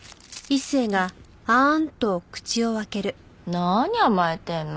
何甘えてるの？